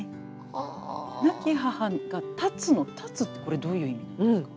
「亡き母が顕つ」の「顕つ」ってこれどういう意味なんですか？